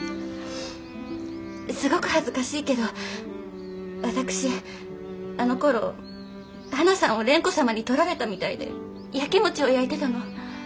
すごく恥ずかしいけど私あのころはなさんを蓮子様に取られたみたいでやきもちをやいてたの。